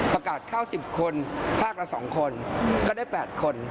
ประกาศเข้า๑๐คนภาคละ๒คนก็ได้๘คน